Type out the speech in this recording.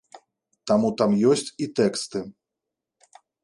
Таму там ёсць і тэксты.